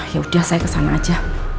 yaudah saya kesana aja